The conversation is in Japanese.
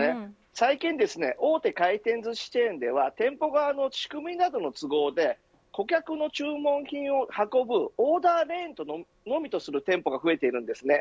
最近、大手回転ずしチェーンでは店舗側の仕組みなどの都合で顧客の注文品を運ぶオーダーレーンのみとする店舗が増えているんですね。